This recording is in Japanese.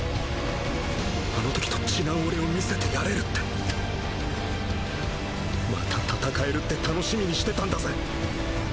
あの時と違う俺を見せてやれるってまた戦えるって楽しみにしてたんだぜ。